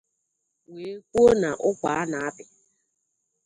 wee kwuo na ụkwa a na-apị